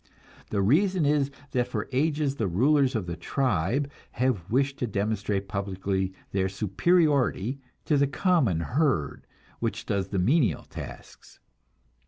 The reason is that for ages the rulers of the tribe have wished to demonstrate publicly their superiority to the common herd, which does the menial tasks.